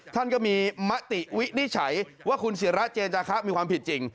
ท่านก็มีมติวินิจฉัยว่าคุณศิราเจนจาคะมีความผิดจริง